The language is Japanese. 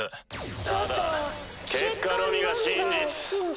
ただ結果のみが真実。